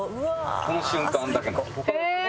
この瞬間だけなので。